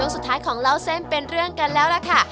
สุดท้ายของเล่าเส้นเป็นเรื่องกันแล้วล่ะค่ะ